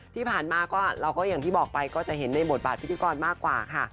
ที่ผ่านมาก็เราก็อย่างที่บอกไปก็จะเห็นในบทบาทพิธีกรมากกว่าค่ะ